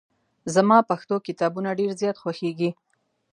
زما پښتو کتابونه ډېر زیات خوښېږي.